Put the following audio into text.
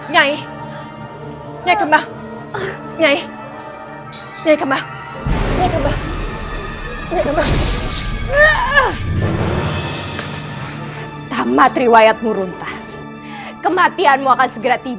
nyai nyai nyai nyai nyai nyai tamat riwayat murunta kematianmu akan segera tiba